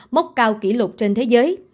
mốc cao kỷ lục trên thế giới